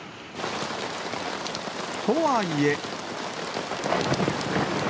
とはいえ。